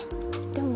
でも。